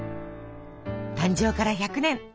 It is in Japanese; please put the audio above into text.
誕生から１００年